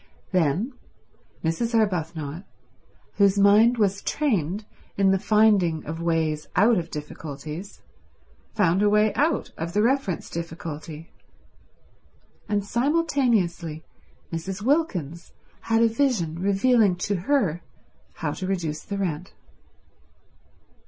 Then Mrs. Arbuthnot, whose mind was trained in the finding of ways out of difficulties, found a way out of the reference difficulty; and simultaneously Mrs. Wilkins had a vision revealing to her how to reduce the rent.